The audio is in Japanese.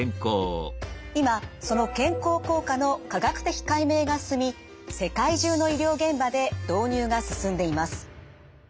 今その健康効果の科学的解明が進み世界中の医療現場で導入が進んでいます。